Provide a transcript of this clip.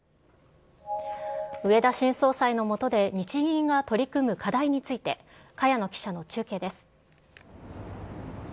植田新総裁の下で、日銀が取り組む課題について、茅野記者の中継です。